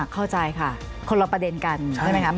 เข้าใจค่ะคนละประเด็นกันใช่ไหมครับ